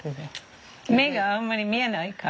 目があんまり見えないから。